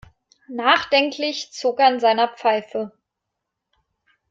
Nachdenklich zog er an seiner Pfeife.